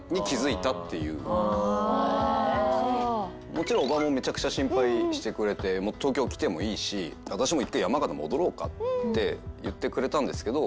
もちろん伯母もめちゃくちゃ心配してくれて東京来てもいいし「私も一回山形戻ろうか？」って言ってくれたんですけど